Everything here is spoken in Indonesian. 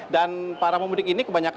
dan para pemudik ini kebanyakan ada